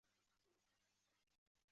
他们带了一群人来了